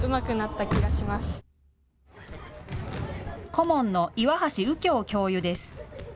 顧問の岩橋右京教諭です。